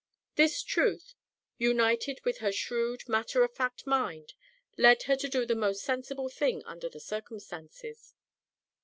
This truth, united with her shrewd, matter of fact mind, led her to do the most sensible thing under the circumstances.